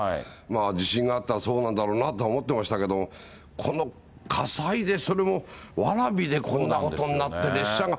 地震があったらそうなんだろうなとは思ってましたけども、この火災で、それも蕨でこんなことになって、列車が。